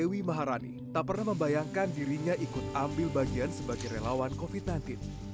dewi maharani tak pernah membayangkan dirinya ikut ambil bagian sebagai relawan covid sembilan belas